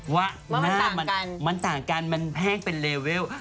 ว่าหน้ามันต่างกันมันแห้งเป็นเลเวล